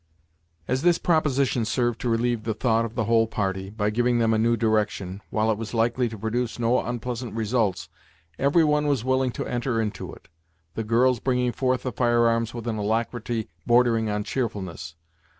As this proposition served to relieve the thoughts of the whole party, by giving them a new direction, while it was likely to produce no unpleasant results, every one was willing to enter into it; the girls bringing forth the firearms with an alacrity bordering on cheerfulness.